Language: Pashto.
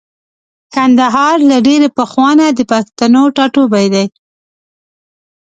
کندهار له ډېرې پخوانه د پښتنو ټاټوبی دی.